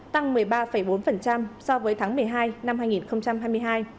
tăng một mươi ba bốn so với tháng một mươi hai năm hai nghìn hai mươi hai